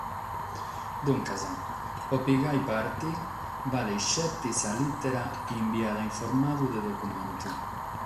Duncas, pro leare parte balet petzi sa lìtera imbiada in formadu de documentu.